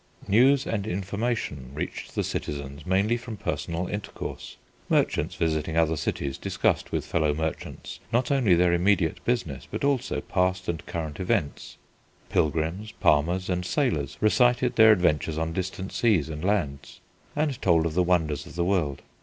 News and information reached the citizens mainly from personal intercourse. Merchants visiting other cities discussed with fellow merchants not only their immediate business but also past and current events. Pilgrims, palmers, and sailors recited their adventures on distant seas and lands, and told of the wonders of the world.